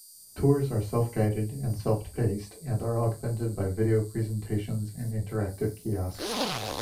Tours are self-guided and self-paced, and are augmented by video presentations and interactive kiosks.